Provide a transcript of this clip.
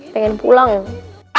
pengen pulang ya